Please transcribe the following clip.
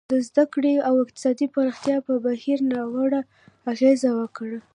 د زده کړې او اقتصادي پراختیا پر بهیر ناوړه اغېز وکړ.